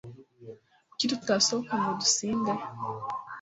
Kuki tutasohoka ngo dusinde?